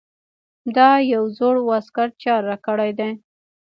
دا یو زوړ واسکټ چا راکړے دے ـ